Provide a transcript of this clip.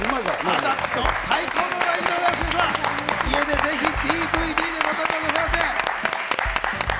家で、ぜひＤＶＤをお求めくださいませ。